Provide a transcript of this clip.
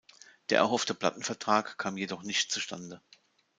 Der erhoffte Plattenvertrag kam jedoch nicht zustande.